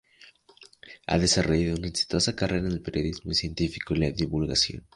Ha desarrollado una exitosa carrera en el periodismo científico y la divulgación.